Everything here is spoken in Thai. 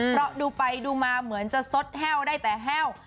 เพราะดูไปดูมาเหมือนจะซดแห้วได้แต่แห้ว